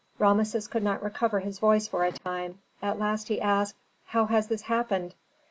Rameses could not recover his voice for a time. At last he asked, "How has this happened?"